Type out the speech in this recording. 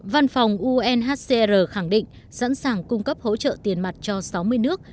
văn phòng unhcr khẳng định sẵn sàng cung cấp hỗ trợ tiền mặt cho sáu mươi nước